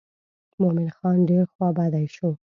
مومن خان ډېر خوا بډی شو.